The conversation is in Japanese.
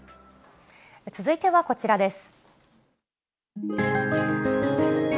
続いてはこちらです。